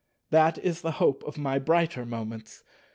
That is the hope of my brighter moments.